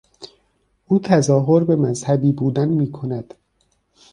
او تظاهر به مذهبی بودن میکند.